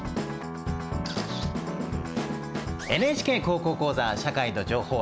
ＮＨＫ高校講座「社会と情報」。